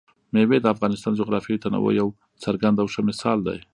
مېوې د افغانستان د جغرافیوي تنوع یو څرګند او ښه مثال دی.